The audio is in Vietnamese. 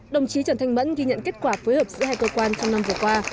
đồng chí trần thanh mẫn ghi nhận kết quả phối hợp giữa hai cơ quan trong năm vừa qua